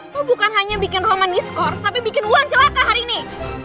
lo bukan hanya bikin roman discourse tapi bikin wulan celaka hari ini